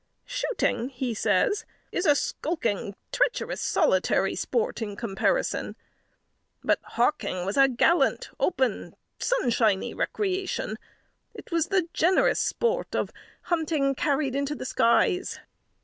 "Shooting," he says, "is a skulking, treacherous, solitary sport in comparison; but hawking was a gallant, open, sunshiny recreation; it was the generous sport of hunting carried into the skies."